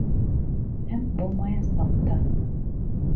Һәм булмаясаҡ та.